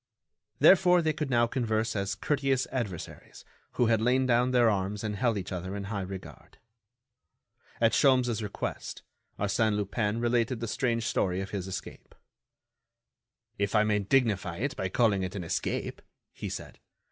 Therefore they could now converse as courteous adversaries who had lain down their arms and held each other in high regard. At Sholmes' request, Arsène Lupin related the strange story of his escape. "If I may dignify it by calling it an escape," he said.